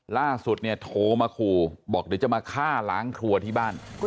ล่าสุดเนี่ยโทรมาขู่บอกเดี๋ยวจะมาฆ่าล้างครัวที่บ้าน